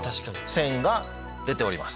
線が出ております。